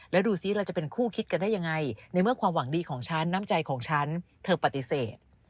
แล้วดูซิเราจะเป็นคู่คิดกันได้ยังไงในเมื่อความหวังดีของฉันน้ำใจของฉันเธอปฏิเสธ